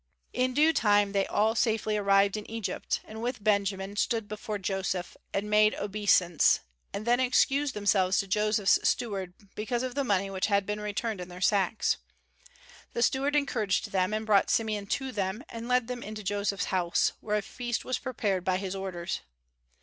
In due time they all safely arrived in Egypt, and with Benjamin stood before Joseph, and made obeisance, and then excused themselves to Joseph's steward, because of the money which had been returned in their sacks. The steward encouraged them, and brought Simeon to them, and led them into Joseph's house, where a feast was prepared by his orders.